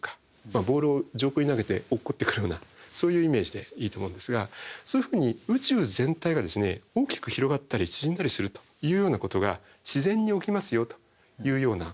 ボールを上空に投げて落っこってくるようなそういうイメージでいいと思うんですがそういうふうに宇宙全体が大きく広がったり縮んだりするというようなことが自然に起きますよというようなことになります。